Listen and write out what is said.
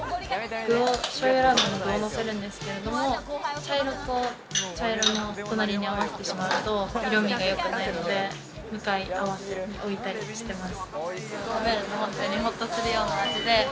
具をのせるんですけど茶色と茶色を隣に合わせてしまうと、色味が良くないので向かい合わせに置いたりしてます。